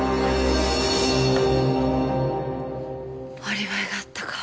アリバイがあったか。